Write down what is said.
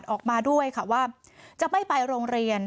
ออกมาด้วยค่ะว่าจะไม่ไปโรงเรียน